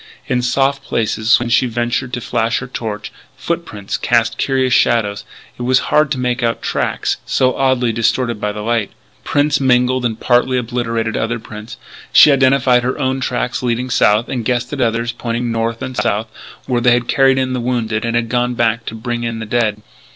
In soft places, when she ventured to flash her torch, foot prints cast curious shadows, and it was hard to make out tracks so oddly distorted by the light. Prints mingled and partly obliterated other prints. She identified her own tracks leading south, and guessed at the others, pointing north and south, where they had carried in the wounded and had gone back to bring in the dead.